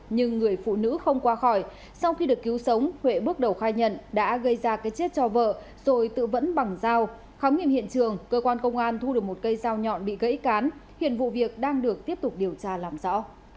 nhưng người phụ nữ không qua khỏi sau khi được cứu sống huệ bước đầu khai nhận đã gây ra cái chết cho vợ rồi tự vẫn bằng dao khám nghiệm hiện trường cơ quan công an thu được một cây dao nhọn bị gãy cán hiện vụ việc đang được tiếp tục điều tra làm rõ